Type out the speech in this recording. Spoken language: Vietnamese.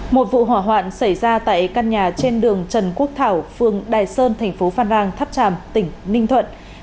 một vụ hỏa hoạn xảy ra tại căn nhà trên đường trần quốc thảo phường đài sơn thành phố phan rang tháp tràm tỉnh ninh thuận